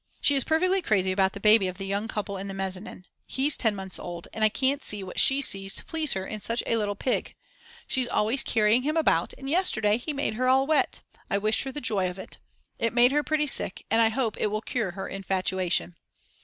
She is perfectly crazy about the baby of the young couple in the mezzanin; he's 10 months old, and I can't see what she sees to please her in such a little pig; she's always carrying him about and yesterday he made her all wet, I wished her joy of it. It made her pretty sick, and I hope it will cure her infatuation.